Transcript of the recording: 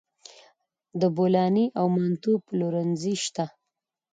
د بولاني او منتو پلورنځي شته